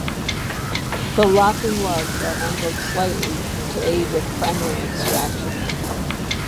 The locking lugs are angled slightly to aid with primary extraction.